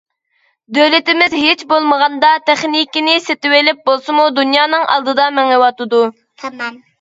دۆلىتىمىز ھېچبولمىغاندا تېخنىكىنى سېتىۋېلىپ بولسىمۇ دۇنيانىڭ ئالدىدا مېڭىۋاتىدۇ.